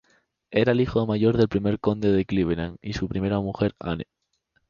Era el hijo mayor del primer Conde de Cleveland y su primera mujer, Anne.